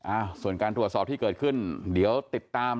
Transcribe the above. อ่าส่วนการตรวจสอบที่เกิดขึ้นเดี๋ยวติดตาม